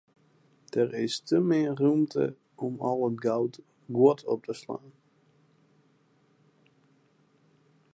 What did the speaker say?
Der is te min rûmte om al it guod op te slaan.